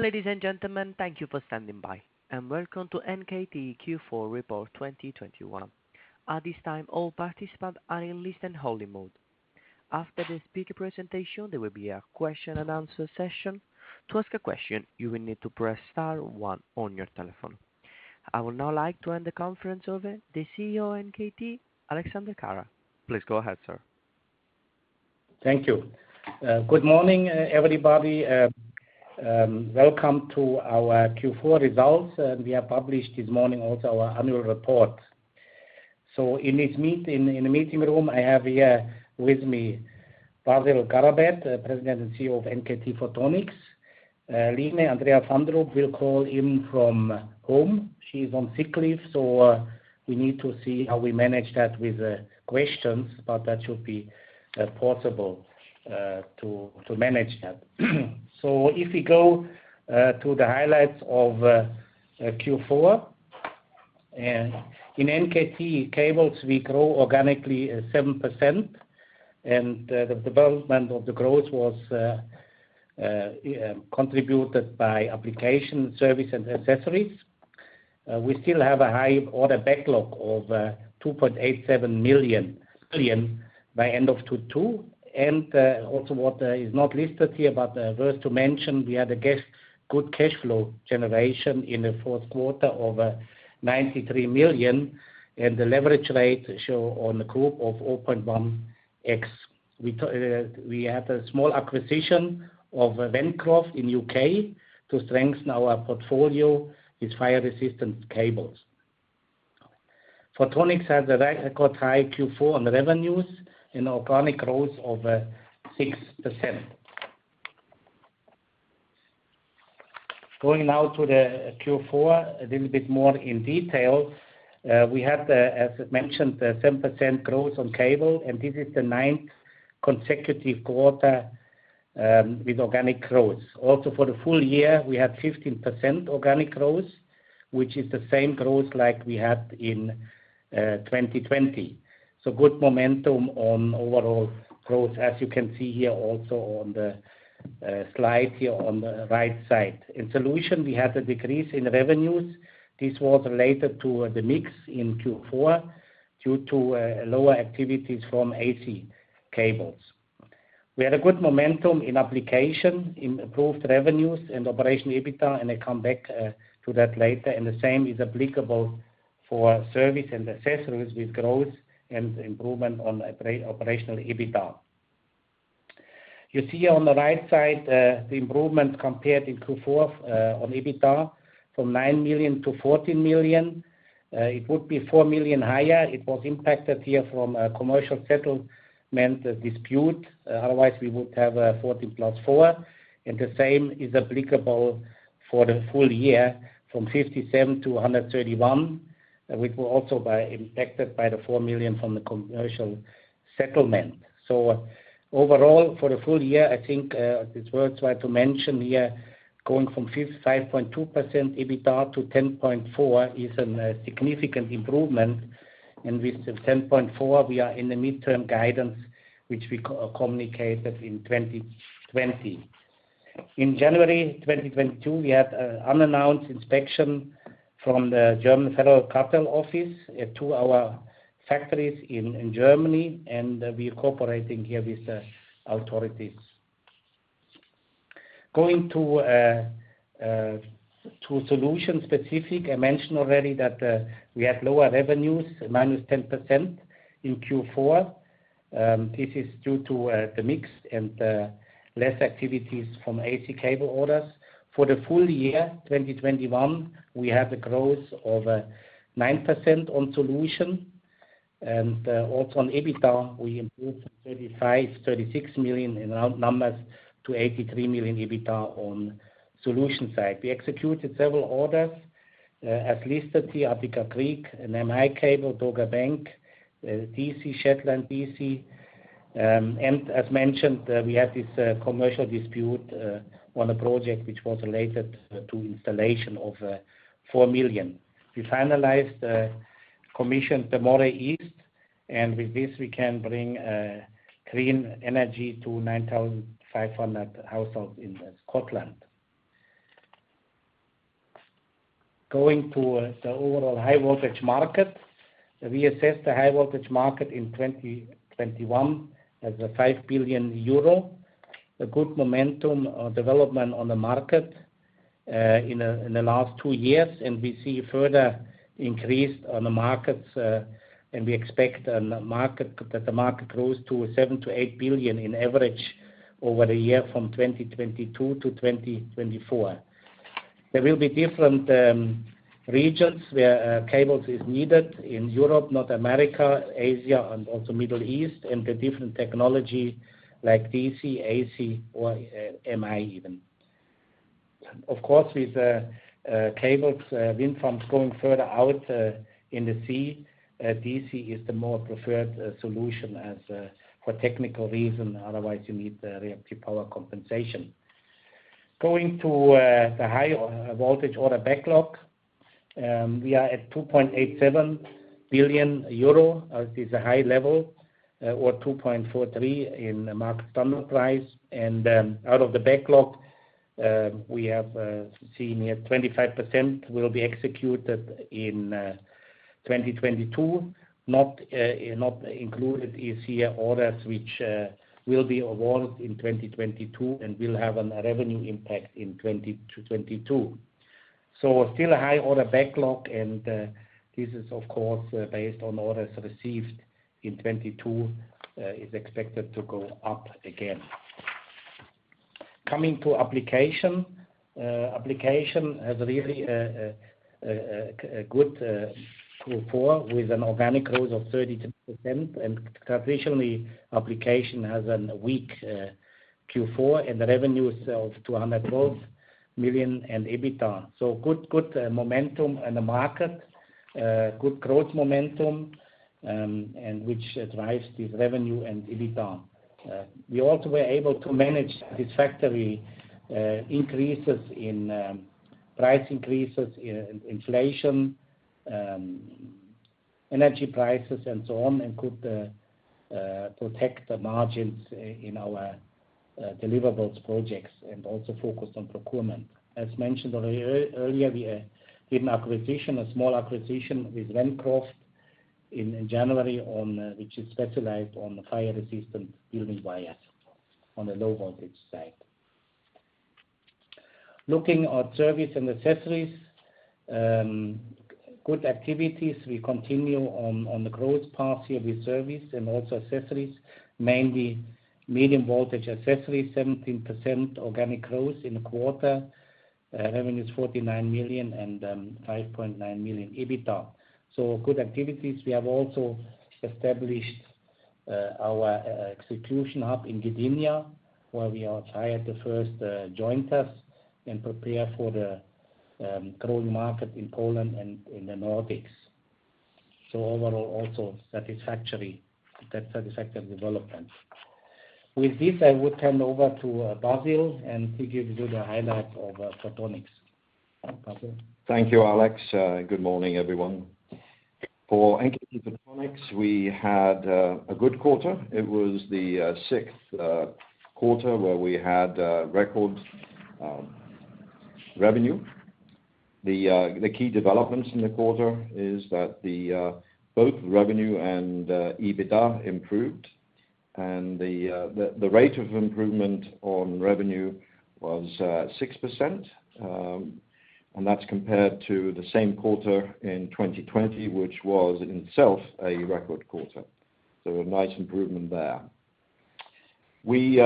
Ladies and gentlemen, thank you for standing by, and welcome to NKT Q4 2021 Report. At this time, all participants are in listen-only mode. After the speaker presentation, there will be a question and answer session. To ask a question, you will need to press star one on your telephone. I would now like to hand the conference over to the CEO of NKT, Alexander Kara. Please go ahead, sir. Thank you. Good morning, everybody. Welcome to our Q4 results. We have published this morning also our annual report. In the meeting room, I have here with me Basil Garabet, the President and CEO of NKT Photonics. Line Andrea Fandrup, we'll call her from home. She's on sick leave, so we need to see how we manage that with the questions, but that should be possible to manage that. If we go to the highlights of Q4. In NKT Cables, we grow organically at 7%, and the development of the growth was contributed by application, service and accessories. We still have a high order backlog of 2.87 billion by end of 2022. Also what is not listed here, but worth to mention, we had a good cash flow generation in the fourth quarter of 93 million, and the leverage rate shown on the group of 0.1x. We had a small acquisition of Ventcroft in the U.K. to strengthen our portfolio with fire-resistant cables. Photonics has a record high Q4 on the revenues, an organic growth of 6%. Going now to the Q4 a little bit more in detail. We have the, as mentioned, the 7% growth on cable, and this is the ninth consecutive quarter with organic growth. Also for the full year, we had 15% organic growth, which is the same growth like we had in 2020. Good momentum on overall growth, as you can see here also on the slide here on the right side. In Solutions, we had a decrease in revenues. This was related to the mix in Q4 due to lower activities from AC cables. We had a good momentum in Applications, in improved revenues and operational EBITDA, and I come back to that later. The same is applicable for Service and Accessories with growth and improvement on operational EBITDA. You see on the right side the improvement compared in Q4 on EBITDA, from 9 million to 14 million. It would be 4 million higher. It was impacted here from a commercial settlement dispute. Otherwise, we would have 14+4. The same is applicable for the full year from 57 to 131, which will also be impacted by the 4 million from the commercial settlement. Overall, for the full year, I think it's worthwhile to mention here, going from 55.2% EBITDA to 10.4 is a significant improvement. With the 10.4, we are in the midterm guidance, which we co-communicated in 2020. In January 2022, we had an unannounced inspection from the German Federal Cartel Office at two of our factories in Germany, and we are cooperating here with the authorities. Going to solution specific. I mentioned already that we have lower revenues, -10% in Q4. This is due to the mix and less activities from AC cable orders. For the full year 2021, we have a growth of 9% on Solutions. Also on EBITDA, we improved 36 million in numbers to 83 million EBITDA on Solutions side. We executed several orders, as listed here, Attica-Crete, and MI cable, Dogger Bank, Shetland HVDC. As mentioned, we had this commercial dispute on a project which was related to installation of 4 million. We finalized commission Moray East, and with this we can bring clean energy to 9,500 households in Scotland. Going to the overall high voltage market. We assess the high voltage market in 2021 as 5 billion euro. A good momentum, development on the market, in the last two years, and we see further increase on the markets, and we expect on the market that the market grows to 7 billion to billion in average over the year from 2022 to 2024. There will be different regions where cables is needed in Europe, North America, Asia and also Middle East, and the different technology like DC, AC or MI even. Of course, with cables, wind farms going further out in the sea, DC is the more preferred solution as for technical reason, otherwise, you need reactive power compensation. Going to the high-voltage order backlog. We are at 2.87 billion euro. This is a high level, or 2.43 billion in market standard price. Out of the backlog, we have seen here 25% will be executed in 2022. Not included are the orders which will be awarded in 2022 and will have a revenue impact in 2022. Still a high order backlog, and this is of course based on orders received in 2022 is expected to go up again. Coming to Application. Application has really a good Q4 with organic growth of 30%. Traditionally, Application has a weak Q4, and the revenue is of 212 million and EBITDA. Good momentum in the market, good growth momentum, and which drives this revenue and EBITDA. We also were able to manage this factory increases in price increases in inflation energy prices and so on, and could protect the margins in our deliverables projects and also focus on procurement. As mentioned earlier, we did an acquisition, a small acquisition with Ventcroft in January on which is specialized on fire-resistant building wires on the low voltage side. Looking at Service and Accessories. Good activities. We continue on the growth path here with Service and also Accessories, mainly medium voltage accessories, 17% organic growth in the quarter. Revenue is 49 million and 5.9 million EBITDA. Good activities. We have also established our execution hub in Gdynia, where we are trying the first joint test and preparing for the growing market in Poland and in the Nordics. Overall, also satisfactory. That's satisfactory development. With this, I would hand over to Basil, and he gives you the highlights of Photonics. Basil? Thank you, Alex. Good morning, everyone. For NKT Photonics, we had a good quarter. It was the sixth quarter where we had record revenue. The key developments in the quarter is that both revenue and EBITDA improved. The rate of improvement on revenue was 6%, and that's compared to the same quarter in 2020, which was in itself a record quarter, so a nice improvement there. We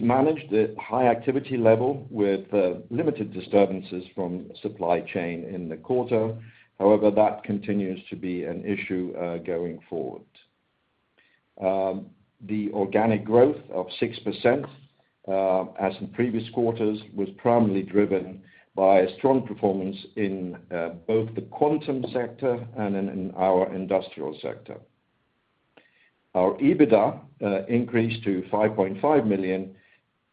managed a high activity level with limited disturbances from supply chain in the quarter. However, that continues to be an issue going forward. The organic growth of 6%, as in previous quarters, was primarily driven by a strong performance in both the quantum sector and in our industrial sector. Our EBITDA increased to 5.5 million,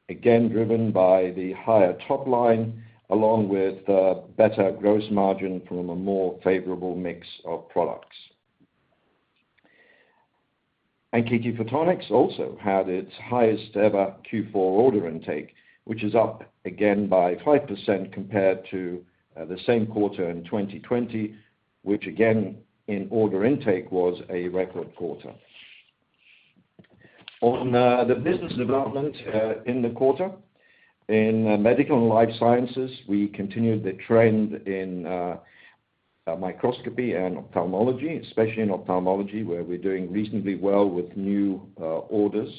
again driven by the higher top line, along with better gross margin from a more favorable mix of products. NKT Photonics also had its highest ever Q4 order intake, which is up again by 5% compared to the same quarter in 2020, which again in order intake was a record quarter. On the business development in the quarter, in medical and life sciences, we continued the trend in microscopy and ophthalmology, especially in ophthalmology, where we're doing reasonably well with new orders.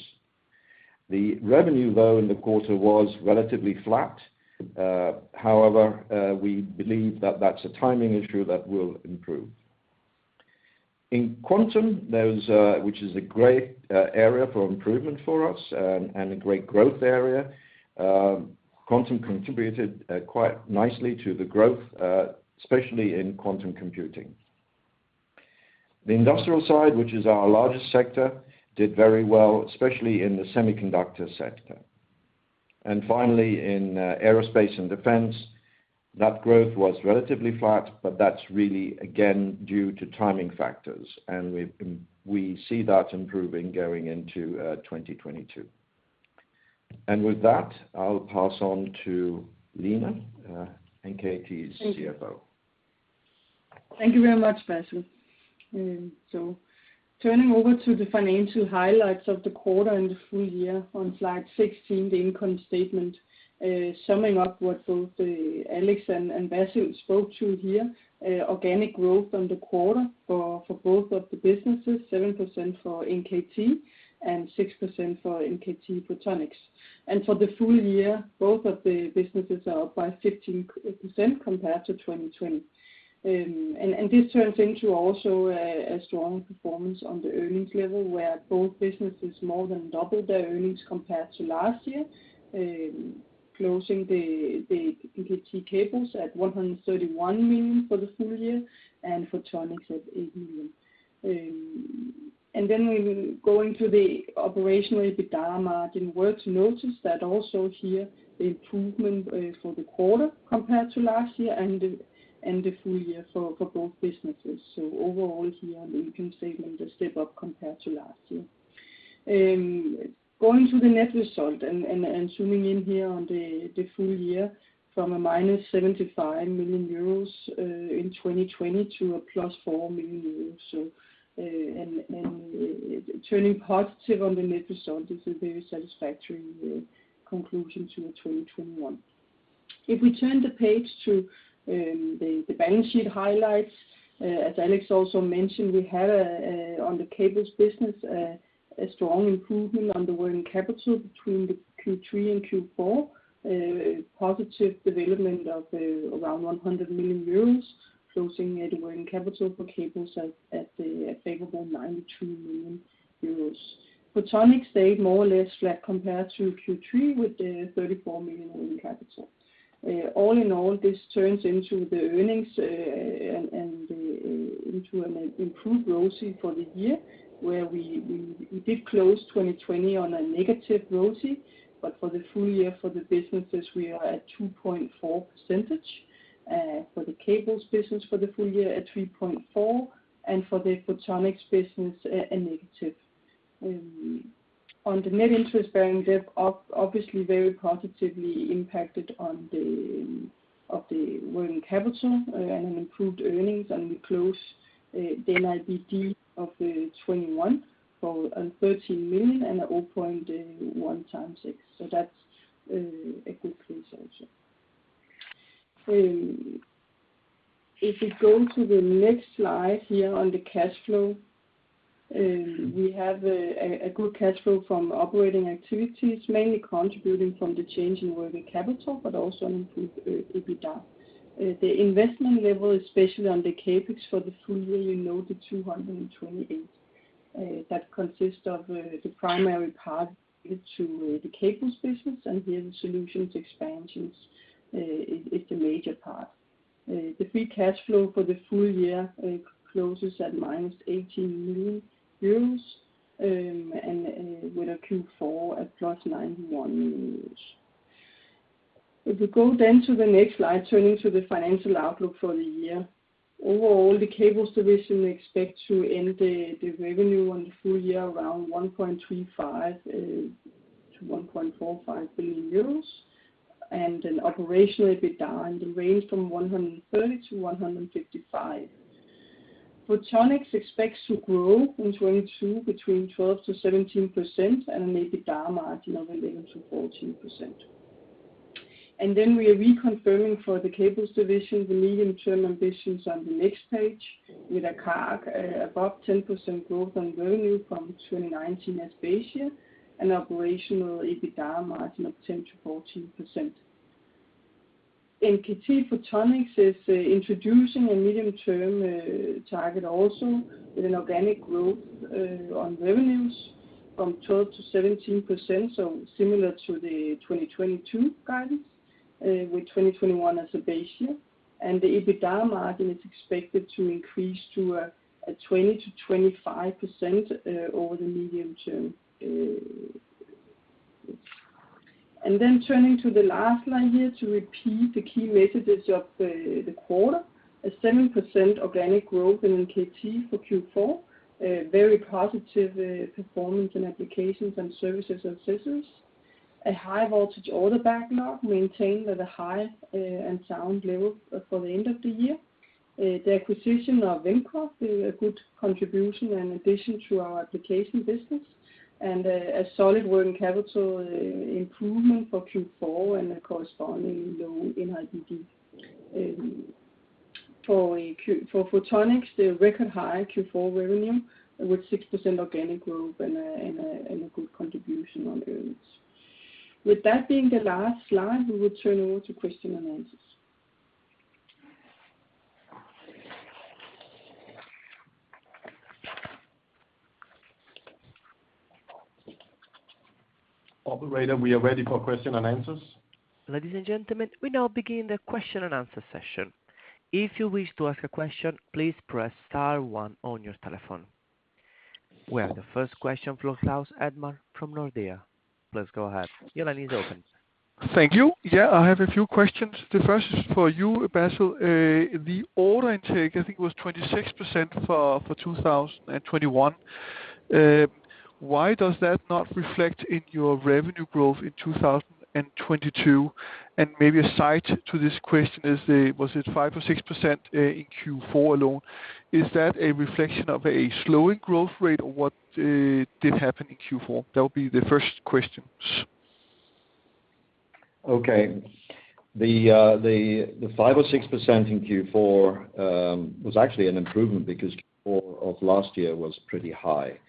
The revenue though in the quarter was relatively flat. However, we believe that that's a timing issue that will improve. In Quantum, there is which is a great area for improvement for us, and a great growth area. Quantum contributed quite nicely to the growth, especially in quantum computing. The industrial side, which is our largest sector, did very well, especially in the semiconductor sector. Finally, in aerospace and defense, that growth was relatively flat, but that's really again due to timing factors, and we see that improving going into 2022. With that, I'll pass on to Line, NKT's CFO. Thank you. Thank you very much, Basil. Turning over to the financial highlights of the quarter and the full year on slide 16, the income statement. Summing up what both Alex and Basil spoke to here, organic growth on the quarter for both of the businesses, 7% for NKT and 6% for NKT Photonics. For the full year, both of the businesses are up by 15% compared to 2020. This turns into also a strong performance on the earnings level, where both businesses more than doubled their earnings compared to last year, closing the NKT Cables at 131 million for the full year and Photonics at 8 million. We will go into the operational EBITDA margin. Worth noticing that also here, the improvement for the quarter compared to last year and the full year for both businesses. Overall here, you can say made a step up compared to last year. Going to the net result and zooming in here on the full year from -75 million euros in 2020 to 4 million euros. Turning positive on the net result is a very satisfactory conclusion to 2021. If we turn the page to the balance sheet highlights, as Alex also mentioned, we have on the Cables business a strong improvement on the working capital between Q3 and Q4. A positive development of around 100 million euros closing net working capital for Cables at the favorable 92 million euros. Photonics stayed more or less flat compared to Q3 with the 34 million working capital. All in all, this turns into the earnings and the into an improved ROCE for the year, where we did close 2020 on a negative ROCE, but for the full year for the businesses, we are at 2.4%. For the Cables business for the full year at 3.4%, and for the Photonics business a negative. On the net interest bearing debt obviously very positively impacted by the working capital and improved earnings, and we close the NIBD for 2021 at EUR 13 million and a 0.1 times. That's a good result also. If we go to the next slide here on the cash flow, we have a good cash flow from operating activities, mainly contributing from the change in working capital, but also an improved EBITDA. The investment level, especially on the CapEx for the full year, you know the 228 million, that consists of the primary part to the Cables business and the solutions expansions, is the major part. The free cash flow for the full year closes at -18 million euros, and with a Q4 at +91 million euros. If we go to the next slide, turning to the financial outlook for the year. Overall, the Cables division expect to end the revenue on the full year around 1.35 to 1.45 billion euros, and an operational EBITDA in the range from 130 to 155. Photonics expects to grow in 2022 12% to 17% and an EBITDA margin of 11% to 14%. We are reconfirming for the Cables division the medium-term ambitions on the next page with a CAGR above 10% growth on revenue from 2019 as base year, an operational EBITDA margin of 10% to 14%. NKT Photonics is introducing a medium-term target also with an organic growth on revenues 12% to 17%, so similar to the 2022 guidance with 2021 as a base year. The EBITDA margin is expected to increase to 20% to 25% over the medium term. Turning to the last slide here to repeat the key messages of the quarter. 7% organic growth in NKT for Q4, a very positive performance in applications and services and systems. A high-voltage order backlog maintained at a high and sound level for the end of the year. The acquisition of Ventcroft, a good contribution in addition to our applications business. A solid working capital improvement for Q4 and a corresponding low NIBD. For Photonics, the record high Q4 revenue with 6% organic growth and a good contribution on earnings. With that being the last slide, we will turn over to questions and answers. Operator, we are ready for question and answers. Ladies and gentlemen, we now begin the question and answer session. If you wish to ask a question, please press star one on your telephone. We have the first question from Claus Almer from Nordea. Please go ahead. Your line is open. Thank you. Yeah, I have a few questions. The first is for you, Basil. The order intake, I think it was 26% for 2021. Why does that not reflect in your revenue growth in 2022? And maybe a side to this question is, was it 5% or 6% in Q4 alone. Is that a reflection of a slowing growth rate or what did happen in Q4? That would be the first questions. Okay. The 5% or 6% in Q4 was actually an improvement because Q4 of last year was pretty high.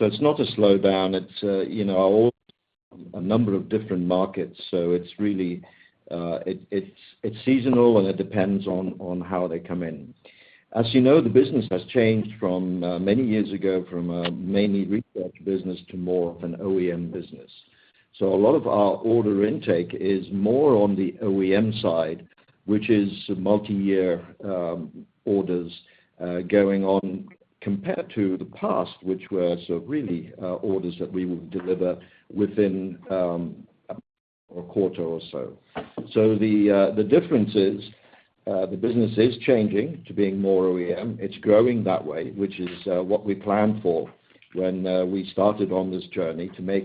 It's not a slowdown. It's you know a number of different markets. It's really seasonal, and it depends on how they come in. As you know, the business has changed from many years ago from a mainly research business to more of an OEM business. A lot of our order intake is more on the OEM side, which is multiyear orders going on compared to the past, which were really orders that we would deliver within a A quarter or so. The difference is, the business is changing to being more OEM. It's growing that way, which is what we planned for when we started on this journey to make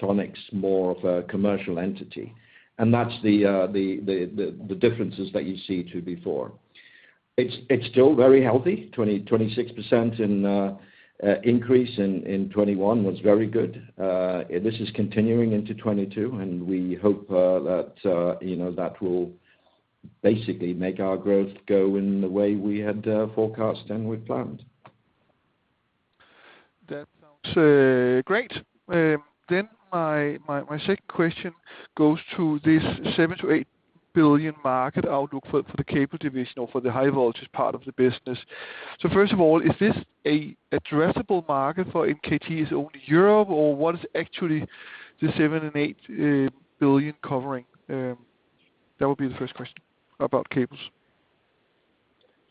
Photonics more of a commercial entity. That's the differences that you see to before. It's still very healthy, 26% increase in 2021 was very good. This is continuing into 2022, and we hope that you know that will basically make our growth go in the way we had forecast and we'd planned. That sounds great. My second question goes to this 7 billion to 8 billion market outlook for the cable division or for the high voltage part of the business. First of all, is this an addressable market for NKT only Europe, or what is actually the 7 billion to 8 billion covering? That would be the first question about cables.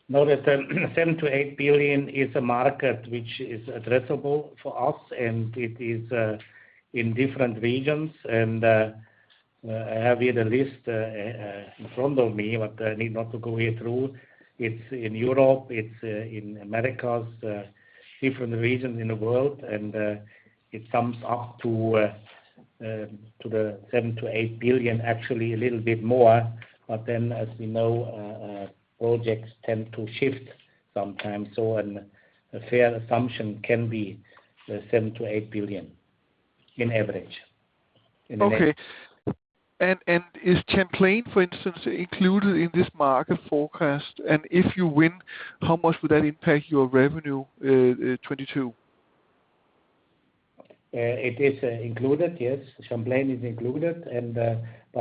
No, the 7 billion to 8 billion is a market which is addressable for us, and it is in different regions. I have here the list in front of me, but I need not go through it. It's in Europe, it's in Americas, different regions in the world. It sums up to the 7 billion to 8 billion, actually a little bit more. As we know, projects tend to shift sometimes. A fair assumption can be the 7 billion to 8 billion in average, in the next- Okay, is Champlain, for instance, included in this market forecast? If you win, how much would that impact your revenue 2022? It is included, yes. Champlain is included.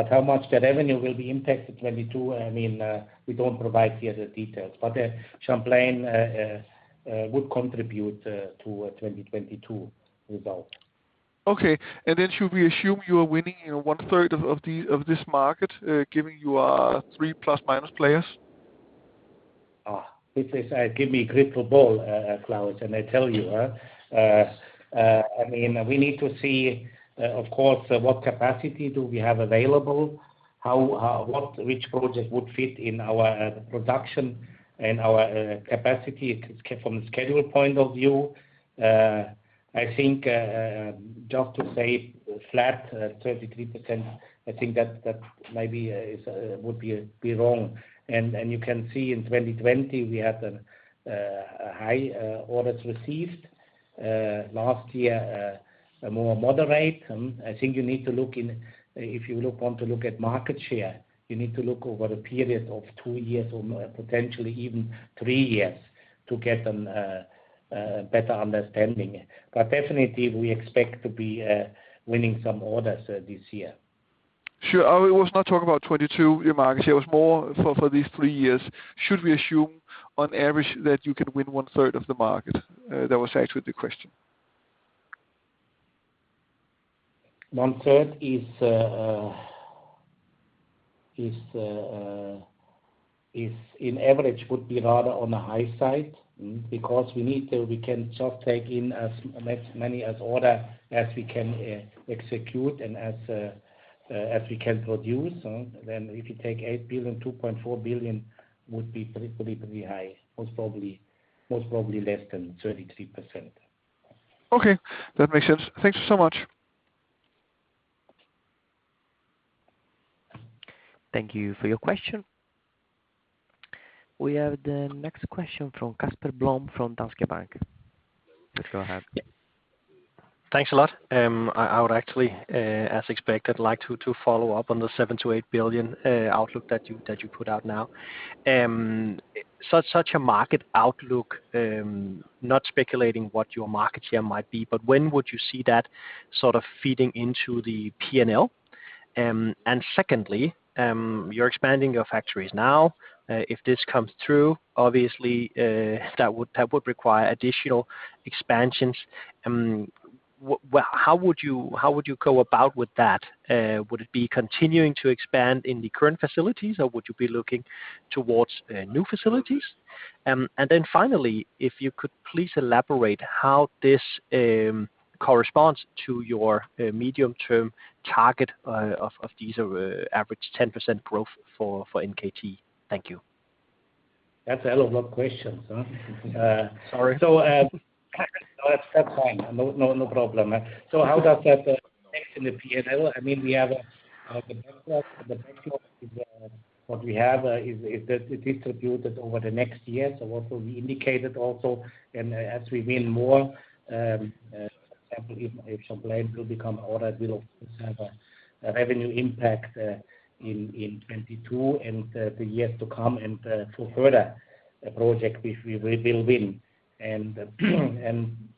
How much the revenue will be impacted 2022, I mean, we don't provide here the details. Champlain would contribute to 2022 result. Okay. Should we assume you are winning, you know, 1/3 of this market, giving you 3 ± players? Give me a crystal ball, Claus, and I tell you. I mean, we need to see, of course, what capacity we have available, which project would fit in our production and our capacity from a schedule point of view. I think just to say flat 33%, I think that maybe would be wrong. You can see in 2020 we had high orders received. Last year, a more moderate. I think you need to look if you want to look at market share, you need to look over a period of two years or potentially even three years to get a better understanding. Definitely we expect to be winning some orders this year. Sure. I was not talking about 2022, your market share. It was more for these three years. Should we assume on average that you can win 1/3 of the market? That was actually the question. 1/3, on average, would be rather on the high side, because we can just take in as many orders as we can execute and as we can produce. If you take 8 billion, 2.4 billion would be pretty high. Most probably less than 33%. Okay. That makes sense. Thank you so much. Thank you for your question. We have the next question from Casper Blom from Danske Bank. Please go ahead. Thanks a lot. I would actually, as expected, like to follow up on the 7 billion to 8 billion outlook that you put out now. Such a market outlook, not speculating what your market share might be, but when would you see that sort of feeding into the P&L? Secondly, you are expanding your factories now. If this comes through, obviously, that would require additional expansions. Well, how would you go about with that? Would it be continuing to expand in the current facilities, or would you be looking toward new facilities? Then finally, if you could please elaborate how this corresponds to your medium-term target of these average 10% growth for NKT. Thank you. That's a lot of questions, huh? Sorry. No, that's fine. No problem. How does that affect in the P&L? I mean, we have the backlog. The backlog is what we have is that distributed over the next year. What we indicated also, and as we win more, example, if Champlain will become ordered, we'll have a revenue impact in 2022 and the years to come and for further project which we will win.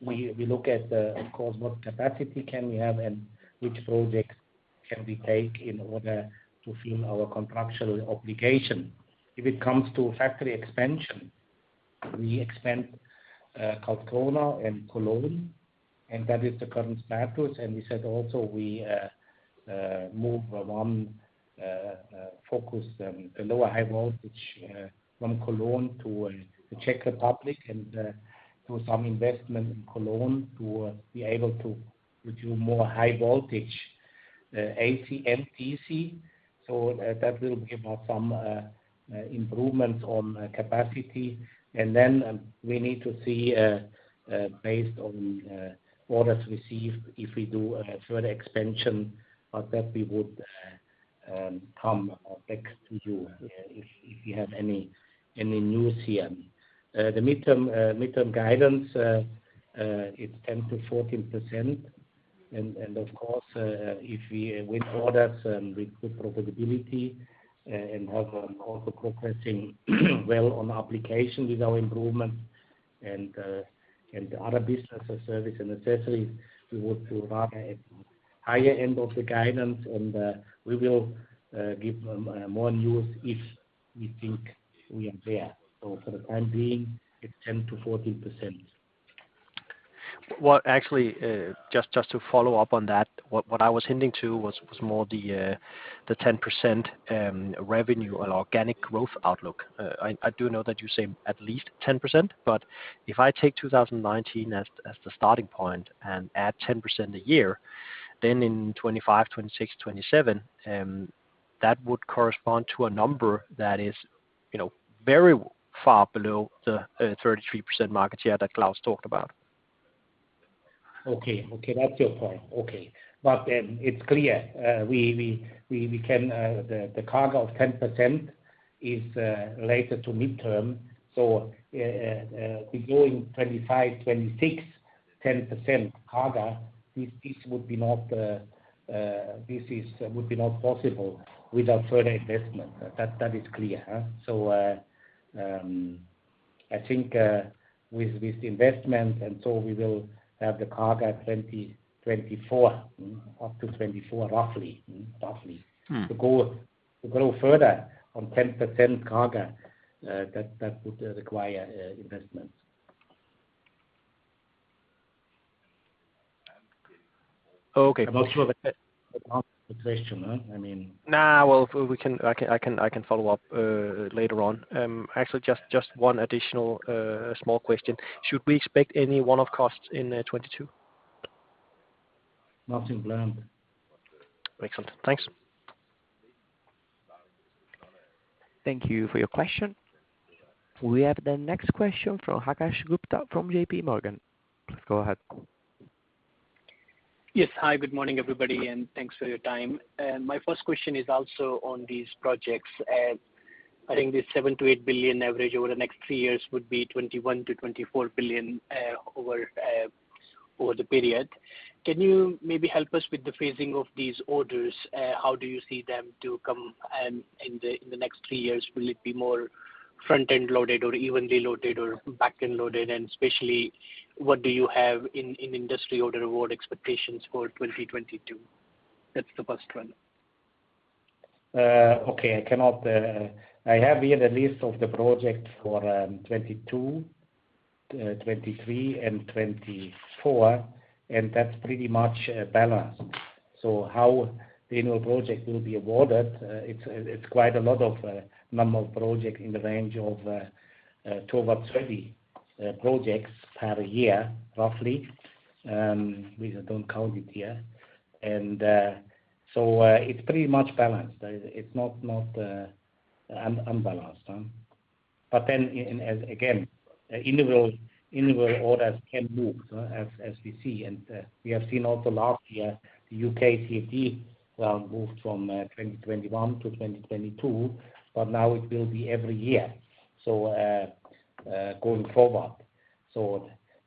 We look at of course what capacity can we have and which projects can we take in order to fill our contractual obligation. If it comes to factory expansion, we expand Kalundborg and Cologne, and that is the current status. We said also we move the low and high voltage from Cologne to the Czech Republic and do some investment in Cologne to be able to do more high voltage AC and DC. That will give us some improvements on capacity. We need to see based on orders received if we do a further expansion, but that we would come back to you if we have any news here. The midterm guidance, it's 10% to 14%. Of course, if we win orders and we improve profitability and have also progressing well on application with our improvement and the other business of service and accessories, we would provide a higher end of the guidance and we will give them more news if we think we are there. For the time being, it's 10% to 14%. Well, actually, just to follow up on that, what I was hinting to was more the 10% revenue and organic growth outlook. I do know that you say at least 10%, but if I take 2019 as the starting point and add 10% a year, then in 2025, 2026, 2027, that would correspond to a number that is, you know, very far below the 33% market share that Claus talked about. Okay, that's your point. It's clear the 10% CAGR is related to mid-term. Going 2025, 2026 10% CAGR, this would be not possible without further investment. That is clear, huh? I think with investment and so we will have the CAGR 2024 up to 2024, roughly. To grow further on 10% CAGR, that would require investment. Okay. I'm not sure if that answers the question, huh? I mean. No. Well, I can follow up later on. Actually, just one additional small question. Should we expect any one-off costs in 2022? Nothing planned. Excellent. Thanks. Thank you for your question. We have the next question from Akash Gupta from J.P. Morgan. Please go ahead. Yes. Hi, good morning, everybody, and thanks for your time. My first question is also on these projects. I think the 7 billion to 8 billion average over the next three years would be 21 billion to 24 billion over the period. Can you maybe help us with the phasing of these orders? How do you see them to come in the next three years? Will it be more front-end loaded or evenly loaded or back-end loaded? Especially what do you have in industry order award expectations for 2022? That's the first one. Okay. I have here the list of the projects for 2022, 2023 and 2024, and that's pretty much balanced. How the annual project will be awarded, it's quite a lot, a number of projects in the range of 12 to 20 projects per year, roughly. We don't count it here. It's pretty much balanced. It's not unbalanced. Interval orders can move as we see. We have seen also last year, the U.K. CFD round moved from 2021 to 2022, but now it will be every year going forward.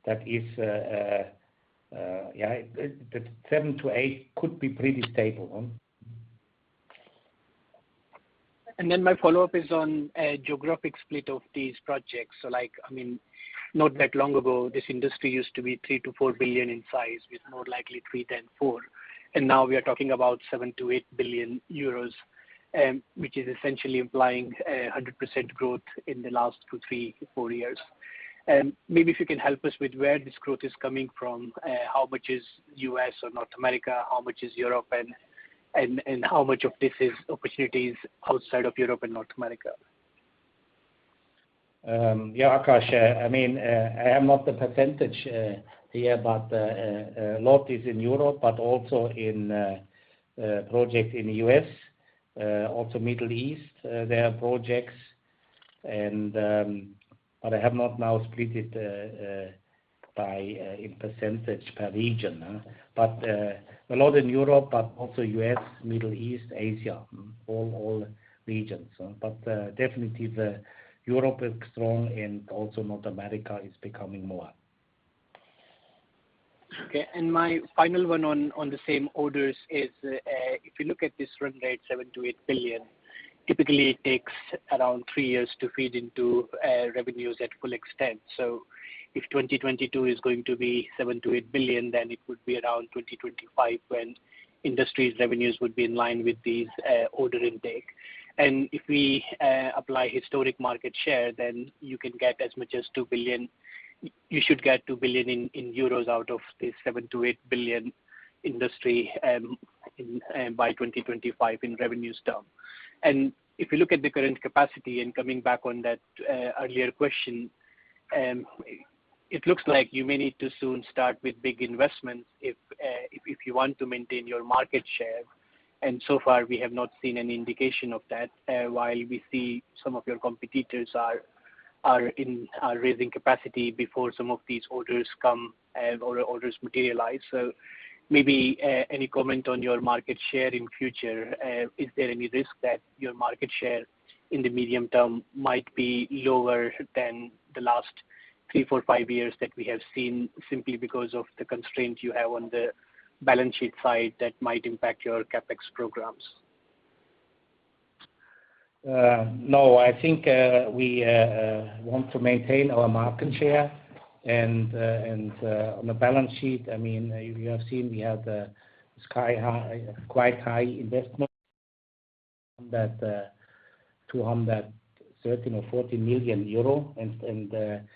That is, the seven to eight could be pretty stable. Then my follow-up is on a geographic split of these projects. Like, I mean, not that long ago, this industry used to be 3 billion to 4 billion in size, with more likely three than four. Now we are talking about 7 billion to 8 billion euros, which is essentially implying 100% growth in the last two, three, four years. Maybe if you can help us with where this growth is coming from, how much is U.S. or North America, how much is Europe and how much of this is opportunities outside of Europe and North America? Akash, I mean, I have not the percentage here, but a lot is in Europe, but also projects in the U.S., also Middle East, there are projects, but I have not now split it by percentage per region. A lot in Europe, but also U.S., Middle East, Asia, all regions. Definitely Europe is strong and also North America is becoming more. Okay. My final one on the same orders is if you look at this run rate, 7 billion to 8 billion, typically it takes around three years to feed into revenues at full extent. If 2022 is going to be 7billion to 8 billion, then it would be around 2025 when industry revenues would be in line with these order intake. If we apply historic market share, then you can get as much as 2 billion. You should get 2 billion in euros out of the 7billion to 8 billion industry by 2025 in revenue terms. If you look at the current capacity and coming back on that earlier question, it looks like you may need to soon start with big investments if you want to maintain your market share. So far, we have not seen any indication of that, while we see some of your competitors are raising capacity before some of these orders come, or orders materialize. Maybe any comment on your market share in future? Is there any risk that your market share in the medium term might be lower than the last three, four, five years that we have seen, simply because of the constraints you have on the balance sheet side that might impact your CapEx programs? No. I think we want to maintain our market share. On the balance sheet, I mean, you have seen we had quite high investment that 213 million euro or EUR 214 million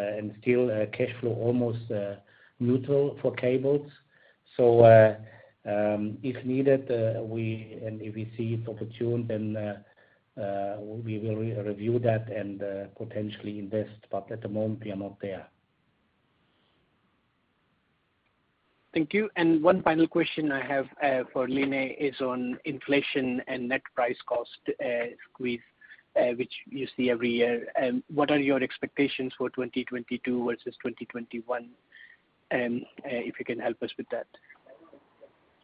and still cash flow almost neutral for cables. If needed, we and if we see it's opportune, we will re-review that and potentially invest. At the moment, we are not there. Thank you. One final question I have for Line is on inflation and net price cost squeeze, which you see every year. What are your expectations for 2022 versus 2021? If you can help us with that.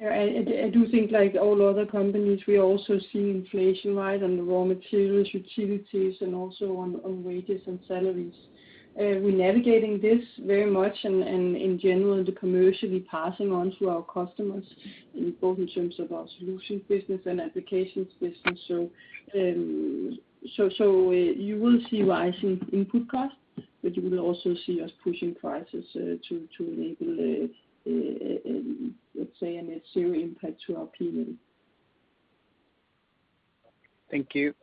Yeah. I do think like all other companies, we also see inflation rise on the raw materials, utilities, and also on wages and salaries. We're navigating this very much and in general, then commercially passing on to our customers in both in terms of our solutions business and applications business. You will see rising input costs, but you will also see us pushing prices to enable, let's say a zero impact to our P&L. Thank you.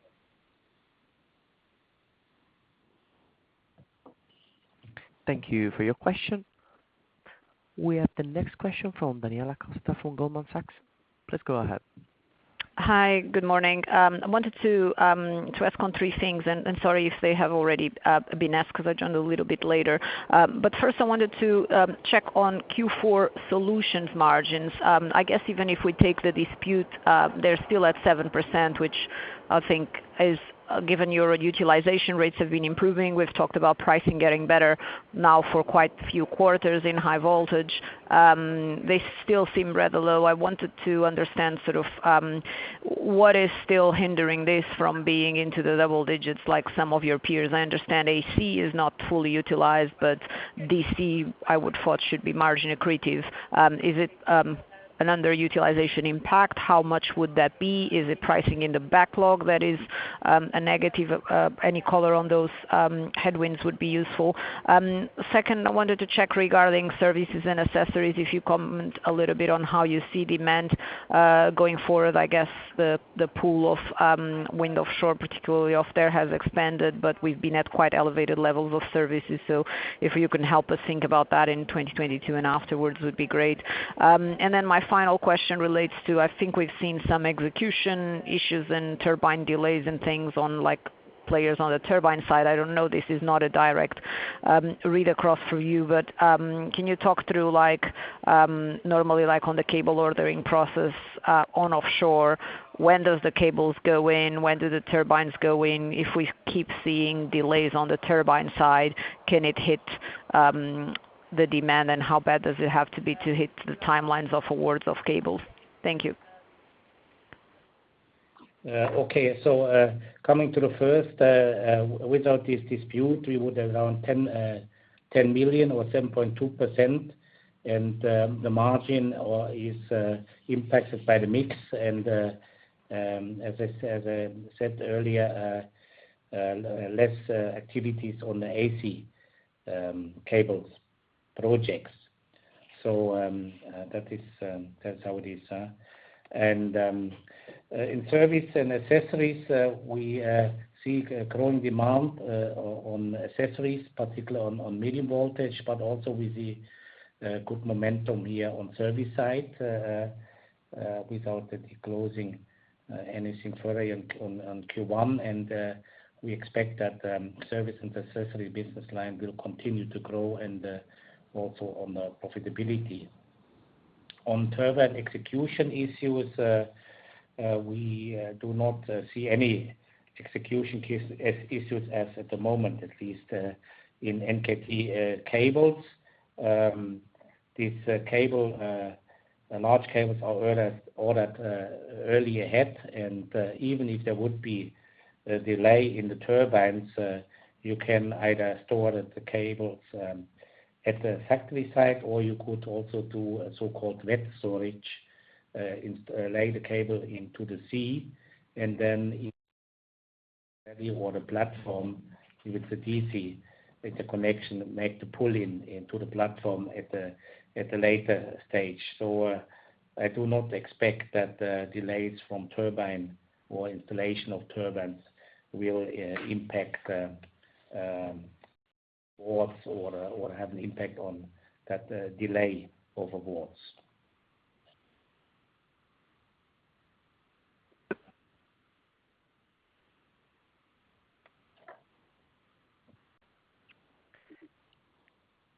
Thank you for your question. We have the next question from Daniela Costa, from Goldman Sachs. Please go ahead. Hi, good morning. I wanted to ask on three things, and sorry if they have already been asked because I joined a little bit later. But first I wanted to check on Q4 solutions margins. I guess even if we take the dispute, they're still at 7%, which I think is, given your utilization rates have been improving. We've talked about pricing getting better now for quite a few quarters in high voltage. They still seem rather low. I wanted to understand sort of what is still hindering this from being into the double digits like some of your peers. I understand AC is not fully utilized, but DC, I would thought should be margin accretive. Is it an underutilization impact? How much would that be? Is it pricing in the backlog that is a negative? Any color on those headwinds would be useful. Second, I wanted to check regarding services and accessories, if you comment a little bit on how you see demand going forward. I guess the pool of wind offshore, particularly offshore, has expanded, but we've been at quite elevated levels of services. So if you can help us think about that in 2022 and afterwards would be great. And then my final question relates to, I think we've seen some execution issues and turbine delays and things on, like, players on the turbine side. I don't know this is not a direct read across for you, but can you talk through like normally, like on the cable ordering process on offshore, when does the cables go in? When do the turbines go in? If we keep seeing delays on the turbine side, can it hit the demand? How bad does it have to be to hit the timelines of awards of cables? Thank you. Coming to the first, without this dispute, we would around 10 million or 7.2%. The margin is impacted by the mix. As I said earlier, less activities on the AC cables projects. That's how it is. In service and accessories, we see a growing demand on accessories, particularly on medium voltage, but also with the good momentum here on service side, without really closing anything further on Q1. We expect that service and accessory business line will continue to grow and also on the profitability. On turbine execution issues, we do not see any execution issues at the moment, at least in NKT cables. These large cables are ordered early ahead. Even if there would be a delay in the turbines, you can either store the cables at the factory site, or you could also do a so-called wet storage, lay the cable into the sea. Then if you order platform with the DC, with the connection made to pull in into the platform at a later stage. I do not expect that delays from turbine or installation of turbines will impact or have an impact on that delay of awards.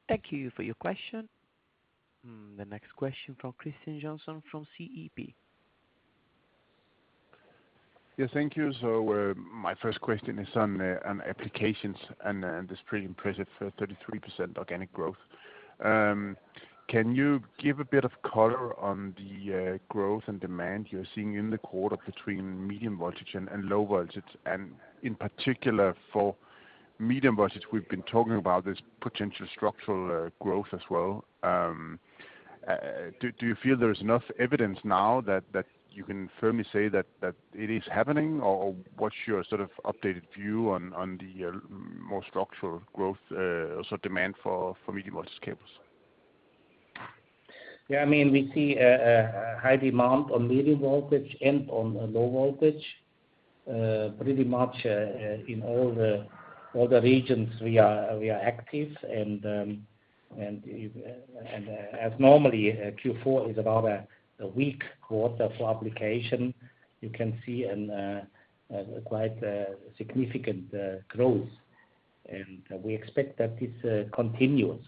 Thank you for your question. The next question from Kristian Johansen from SEB. Yeah, thank you. My first question is on applications and this pretty impressive 33% organic growth. Can you give a bit of color on the growth and demand you're seeing in the quarter between medium voltage and low voltage? And in particular for medium voltage, we've been talking about this potential structural growth as well. Do you feel there's enough evidence now that you can firmly say that it is happening? Or what's your sort of updated view on the more structural growth so demand for medium voltage cables? Yeah, I mean, we see a high demand on medium voltage and on low voltage pretty much in all the regions we are active. As normally Q4 is about a weak quarter for application. You can see, and quite significant growth. We expect that this continues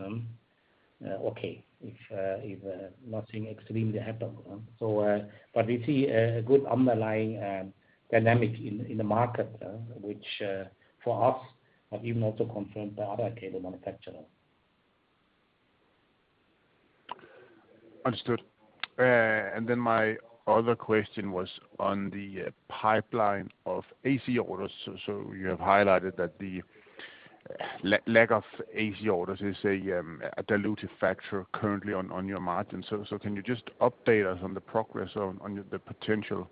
okay, if nothing extremely happen. But we see a good underlying dynamic in the market which for us have even also confirmed the other cable manufacturer. Understood. My other question was on the pipeline of AC orders. You have highlighted that the lack of AC orders is a dilutive factor currently on your margin. Can you just update us on the progress on the potential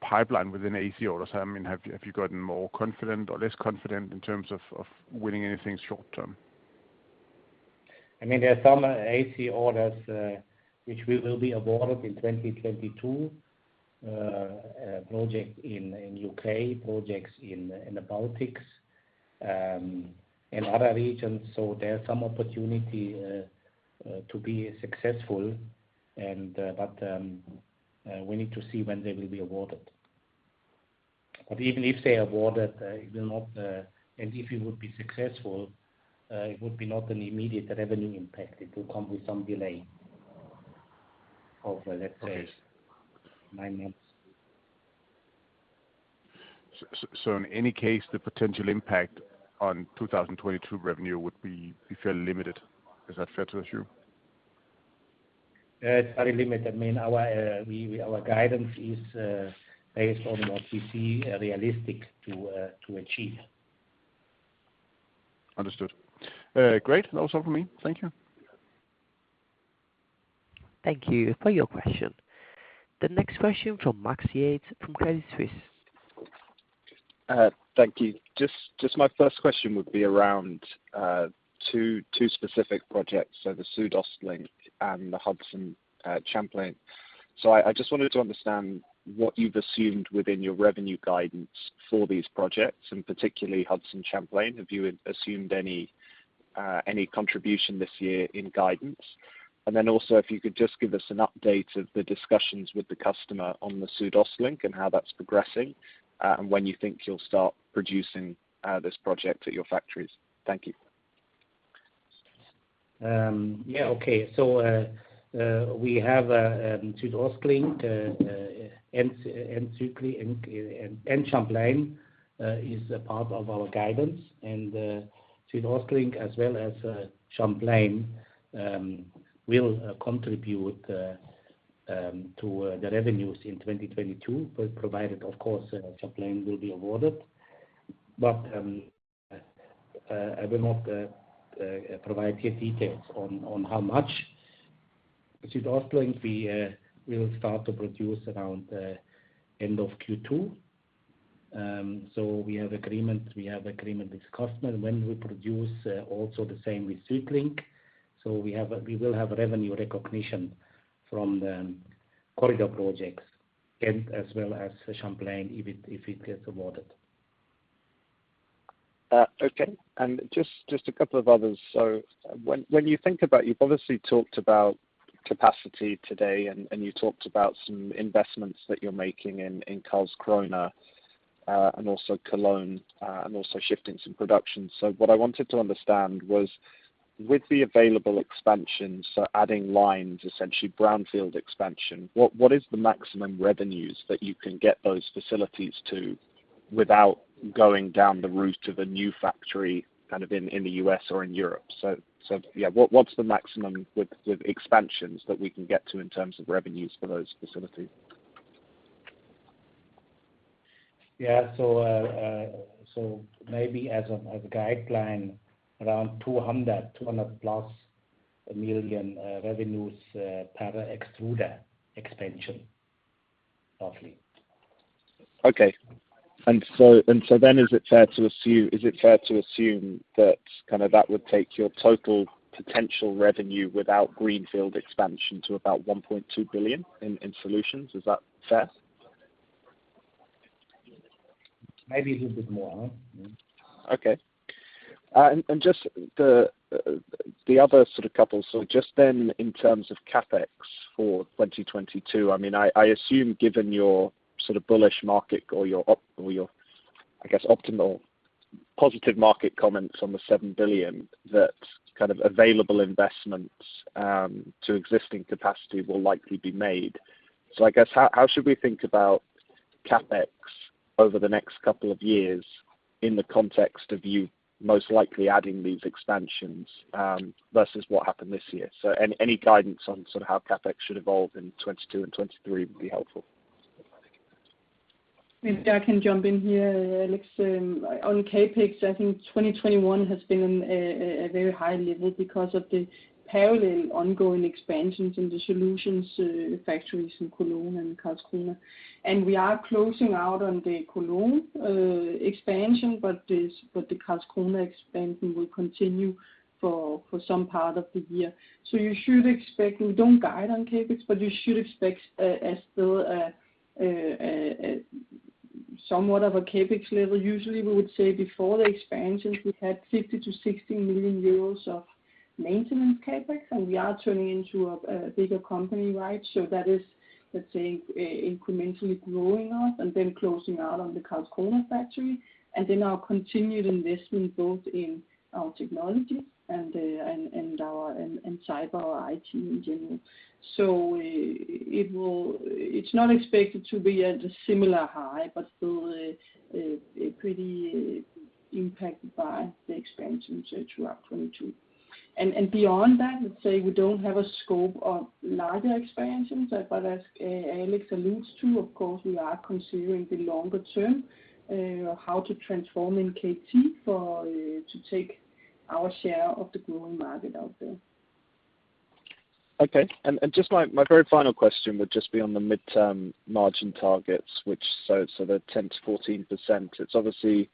pipeline within AC orders? I mean, have you gotten more confident or less confident in terms of winning anything short term? I mean, there are some AC orders which we will be awarded in 2022. Projects in the U.K., in the Baltics, in other regions. There are some opportunity to be successful and but we need to see when they will be awarded. Even if they awarded, it will not, and if it would be successful, it would be not an immediate revenue impact. It will come with some delay of, let's say nine months. In any case, the potential impact on 2022 revenue would be fairly limited. Is that fair to assume? It's very limited. I mean, our guidance is based on what we see realistic to achieve. Understood. Great. That was all for me. Thank you. Thank you for your question. The next question from Max Yates from Credit Suisse. Thank you. Just my first question would be around two specific projects, the SuedOstLink and the Champlain Hudson. I just wanted to understand what you've assumed within your revenue guidance for these projects, and particularly Champlain Hudson. Have you assumed any contribution this year in guidance? Then also, if you could just give us an update of the discussions with the customer on the SuedOstLink and how that's progressing, and when you think you'll start producing this project at your factories. Thank you. We have SuedOstLink and SuedLink and Champlain is a part of our guidance. SuedOstLink as well as Champlain will contribute to the revenues in 2022, but provided, of course, Champlain will be awarded. I will not provide here details on how much. SuedOstLink we'll start to produce around end of Q2. We have agreement with customer when we produce, also the same with SuedLink. We will have revenue recognition from the corridor projects as well as Champlain if it gets awarded. Okay. Just a couple of others. When you think about you've obviously talked about capacity today, and you talked about some investments that you're making in Karlskrona, and also Cologne, and also shifting some production. What I wanted to understand was with the available expansion, so adding lines, essentially brownfield expansion, what is the maximum revenues that you can get those facilities to without going down the route of a new factory kind of in the U.S. or in Europe? Yeah, what's the maximum with expansions that we can get to in terms of revenues for those facilities? Maybe as a guideline around 200+ million revenues per extruder expansion roughly. Is it fair to assume that kind of that would take your total potential revenue without greenfield expansion to about 1.2 billion in solutions? Is that fair? Maybe a little bit more. Okay. Just the other sort of couple in terms of CapEx for 2022, I mean, I assume given your sort of bullish market or your, I guess, optimal positive market comments on the 7 billion that kind of available investments to existing capacity will likely be made. I guess how should we think about CapEx over the next couple of years in the context of you most likely adding these expansions versus what happened this year? Any guidance on sort of how CapEx should evolve in 2022 and 2023 would be helpful. Maybe I can jump in here, Alex. On CapEx, I think 2021 has been a very high level because of the parallel ongoing expansions in the solutions factories in Cologne and Karlsruhe. We are closing out on the Cologne expansion, but the Karlsruhe expansion will continue for some part of the year. You should expect. We don't guide on CapEx, but you should expect as still somewhat of a CapEx level. Usually, we would say before the expansions, we had 50 million to 60 million euros of maintenance CapEx, and we are turning into a bigger company, right? That is, let's say, incrementally growing us and then closing out on the Karlsruhe factory, and then our continued investment both in our technology and our cyber or IT in general. It's not expected to be at a similar high, but still pretty impacted by the expansion throughout 2022. Beyond that, let's say we don't have a scope of larger expansions, but as Alex alludes to, of course, we are considering the longer term how to transform NKT for to take our share of the growing market out there. Okay. Just my very final question would just be on the midterm margin targets, which they're 10% to 14%. It's obviously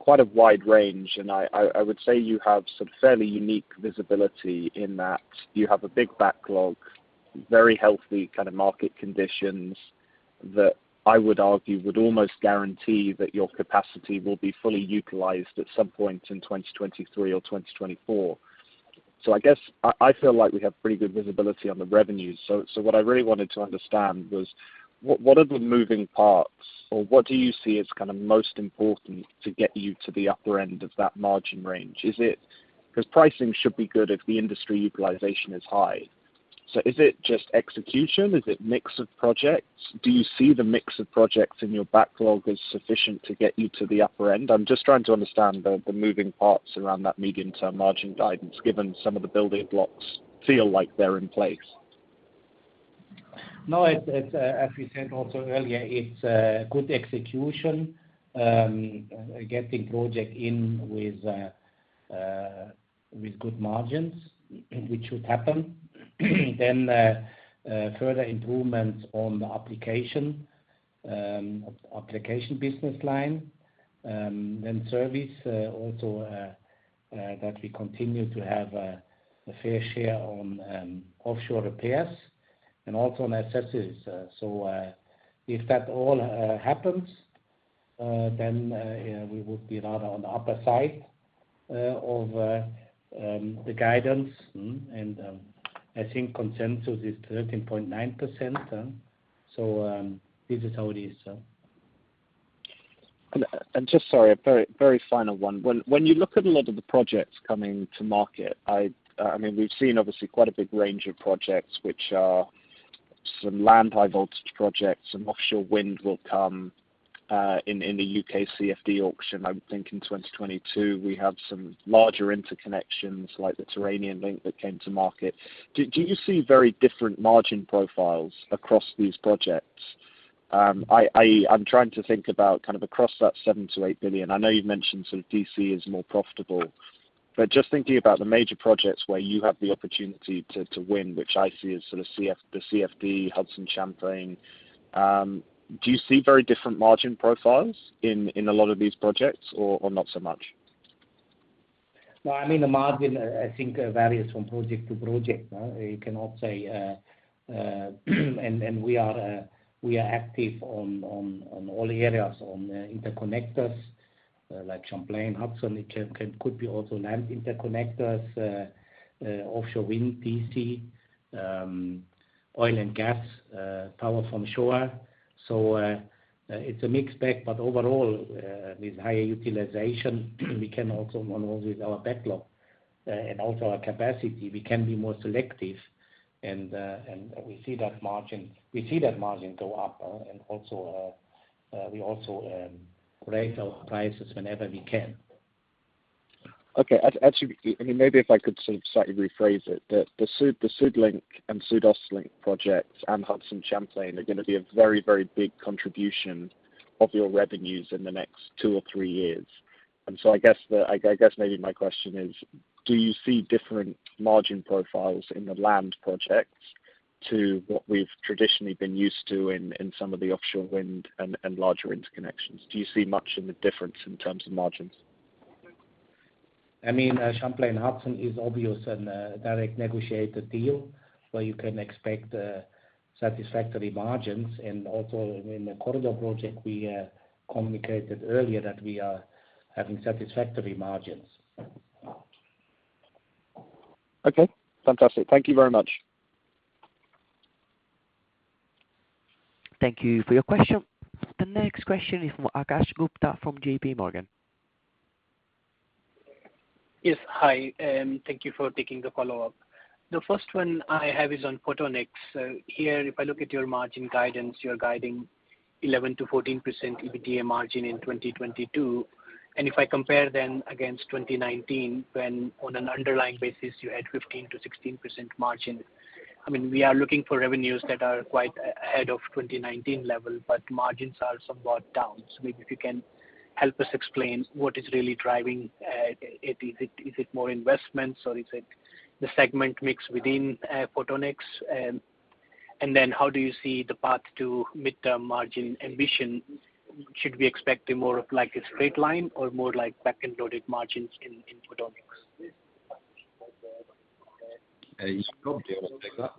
quite a wide range, and I would say you have some fairly unique visibility in that you have a big backlog, very healthy kind of market conditions that I would argue would almost guarantee that your capacity will be fully utilized at some point in 2023 or 2024. I guess I feel like we have pretty good visibility on the revenues. What I really wanted to understand was what are the moving parts, or what do you see as kind of most important to get you to the upper end of that margin range? Is it, 'cause pricing should be good if the industry utilization is high. Is it just execution? Is it mix of projects? Do you see the mix of projects in your backlog as sufficient to get you to the upper end? I'm just trying to understand the moving parts around that medium-term margin guidance, given some of the building blocks feel like they're in place. No, it's as we said also earlier, it's good execution, getting project in with good margins, which would happen. Further improvements on the application business line, then service also that we continue to have a fair share on offshore repairs and also on accessories. If that all happens, then we would be rather on the upper side of the guidance. I think consensus is 13.9%. This is how it is. Just sorry, a very final one. When you look at a lot of the projects coming to market, I mean, we've seen obviously quite a big range of projects, which are some land high voltage projects and offshore wind will come in the UK CFD auction, I'm thinking 2022. We have some larger interconnections like the Tyrrhenian Link that came to market. Do you see very different margin profiles across these projects? I'm trying to think about kind of across that 7 billion to 8 billion. I know you've mentioned sort of DC is more profitable, but just thinking about the major projects where you have the opportunity to win, which I see as sort of CF, the CFD, Champlain Hudson Power Express. Do you see very different margin profiles in a lot of these projects or not so much? No, I mean, the margin, I think, varies from project to project. You cannot say, and we are active on all areas on interconnectors, like Champlain Hudson. It could be also land interconnectors, offshore wind, DC, oil and gas, power from shore. It's a mixed bag. Overall, with higher utilization, we can also monitor with our backlog, and also our capacity. We can be more selective and we see that margin go up, and also we raise our prices whenever we can. Okay. I mean, maybe if I could sort of slightly rephrase it, the SuedLink and SuedOstLink projects and Champlain Hudson are gonna be a very, very big contribution of your revenues in the next two or three years. I guess maybe my question is, do you see different margin profiles in the land projects to what we've traditionally been used to in some of the offshore wind and larger interconnections? Do you see much in the difference in terms of margins? I mean, Champlain Hudson is obviously a direct negotiated deal where you can expect satisfactory margins. Also in the corridor project, we communicated earlier that we are having satisfactory margins. Okay, fantastic. Thank you very much. Thank you for your question. The next question is from Akash Gupta from J.P. Morgan. Yes. Hi, thank you for taking the follow-up. The first one I have is on Photonics. Here, if I look at your margin guidance, you're guiding 11% to 14% EBITDA margin in 2022. If I compare then against 2019, when on an underlying basis you had 15% to 16% margin. I mean, we are looking for revenues that are quite ahead of 2019 level, but margins are somewhat down. Maybe if you can help us explain what is really driving it. Is it more investments, or is it the segment mix within Photonics? And then how do you see the path to midterm margin ambition? Should we expect more of like a straight line or more like back-ended loaded margins in Photonics? Is Jacob able to take that?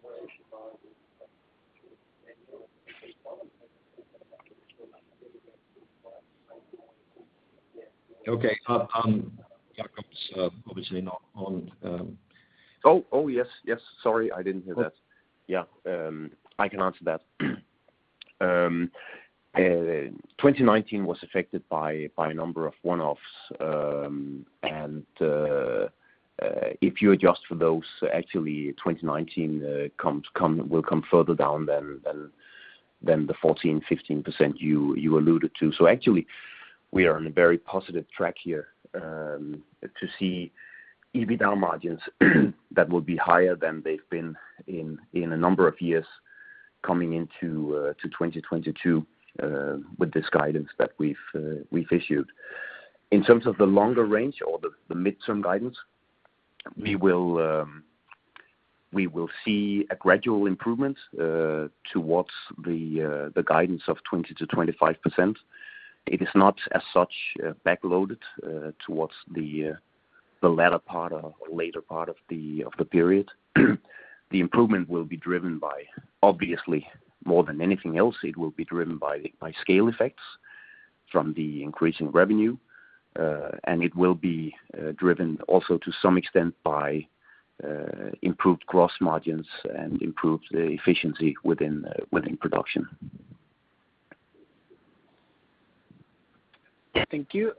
Okay. Jacob's obviously not on. Oh, yes. Sorry, I didn't hear that. Yeah, I can answer that. 2019 was affected by a number of one-offs. If you adjust for those, actually 2019 will come further down than the 14% to 15% you alluded to. Actually we are on a very positive track here to see EBITDA margins that will be higher than they've been in a number of years coming into 2022 with this guidance that we've issued. In terms of the longer range or the midterm guidance, we will see a gradual improvement towards the guidance of 20% to 25%. It is not as such backloaded towards the latter part or later part of the period. The improvement will be driven by, obviously more than anything else, scale effects from the increase in revenue. It will be driven also to some extent by improved gross margins and improved efficiency within production. Thank you.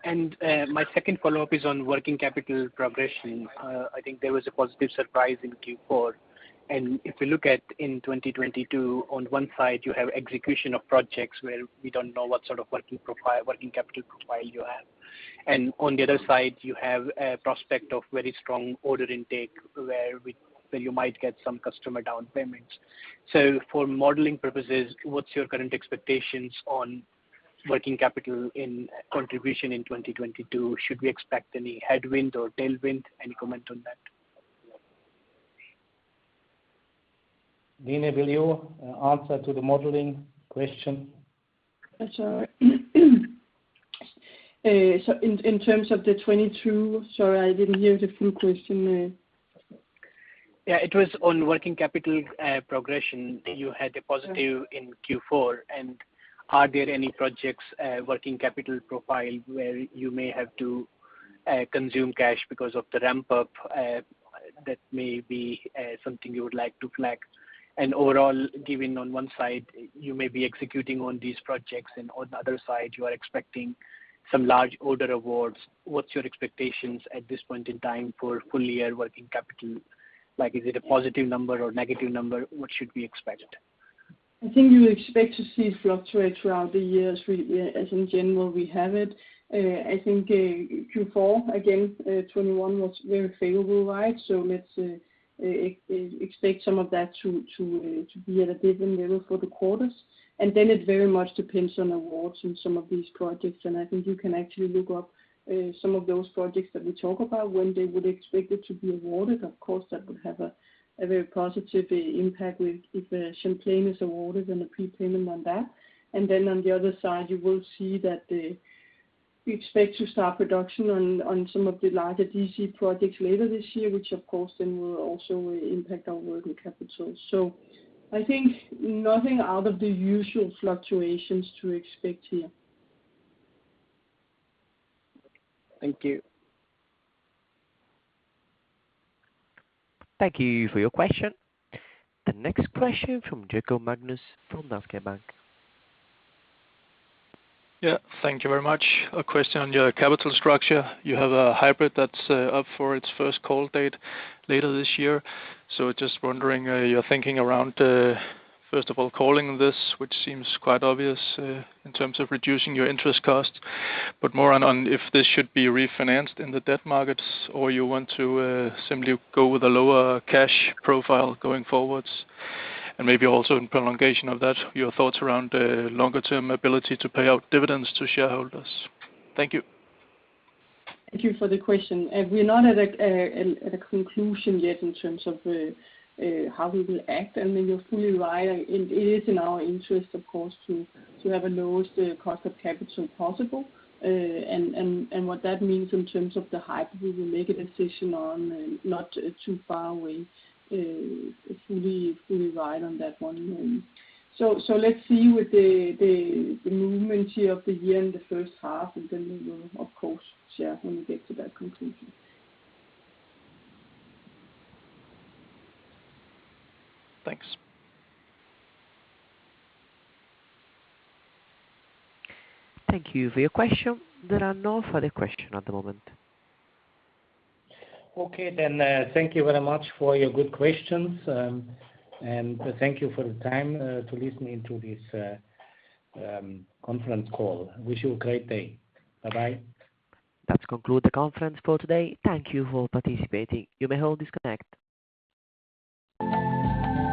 My second follow-up is on working capital progression. I think there was a positive surprise in Q4. If we look at in 2022, on one side you have execution of projects where we don't know what sort of working capital profile you have. On the other side, you have a prospect of very strong order intake where you might get some customer down payments. For modeling purposes, what's your current expectations on working capital in contribution in 2022? Should we expect any headwind or tailwind? Any comment on that? Line, will you answer to the modeling question? Sure. In terms of 2022? Sorry, I didn't hear the full question. Yeah. It was on working capital progression. You had a positive in Q4. Are there any projects working capital profile where you may have to consume cash because of the ramp up that may be something you would like to flag? Overall, given on one side you may be executing on these projects and on the other side you are expecting some large order awards, what's your expectations at this point in time for full year working capital? Like, is it a positive number or negative number? What should we expect? I think you expect to see it fluctuate throughout the years. We as in general have it. I think Q4 again 2021 was very favorable, right? Let's expect some of that to be at a different level for the quarters. It very much depends on awards in some of these projects. I think you can actually look up some of those projects that we talk about when they would expect it to be awarded. Of course that would have a very positive impact with if Champlain is awarded and a prepayment on that. On the other side you will see that we expect to start production on some of the larger DC projects later this year, which of course will also impact our working capital. I think nothing out of the usual fluctuations to expect here. Thank you. Thank you for your question. The next question from Jacob Johansen from Nordea Bank. Yeah. Thank you very much. A question on your capital structure. You have a hybrid that's up for its first call date later this year. So just wondering your thinking around first of all calling this, which seems quite obvious in terms of reducing your interest costs. But more on if this should be refinanced in the debt markets or you want to simply go with a lower cash profile going forwards. Maybe also in prolongation of that, your thoughts around the longer term ability to pay out dividends to shareholders. Thank you. Thank you for the question. We are not at a conclusion yet in terms of how we will act. I mean, you're fully right. It is in our interest of course to have the lowest cost of capital possible. What that means in terms of the type, we will make a decision on not too far away. Fully right on that one. Let's see with the momentum for the year in the first half, and then we will of course share when we get to that conclusion. Thanks. Thank you for your question. There are no further questions at the moment. Okay. Thank you very much for your good questions. Thank you for the time to listen into this conference call. Wish you a great day. Bye-bye. That concludes the conference for today. Thank you for participating. You may all disconnect.